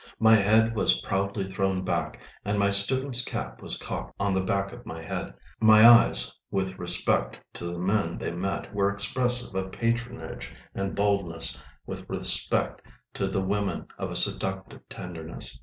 My head was proudly thrown back, and my student's cap was cocked on the back of my head; my eyes with respect to the men they met were expressive of patronage and boldness, with respect to the women of a seductive tenderness.